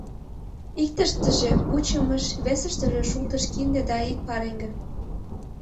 Иктыштыже пучымыш, весыштыже шултыш кинде да ик пареҥге.